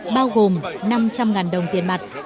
bao gồm năm trăm linh ngàn đồng tiền mặt